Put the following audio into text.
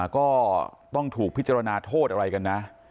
ก็ต้องถูกพิจารณาโทษอะไรกันนะ